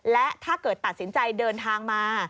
และถ้าเกิดตัดสินใจเดินทางมา